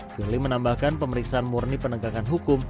firly menambahkan pemeriksaan murni penegakan hukum